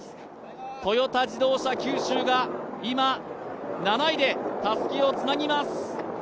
トヨタ自動車九州が今、７位でたすきをつなぎます。